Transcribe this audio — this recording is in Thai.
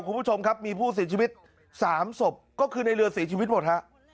คุณผู้ชมครับมีผู้ศีลชีวิตสามศพก็คือในเรือศีลชีวิตหมดครับ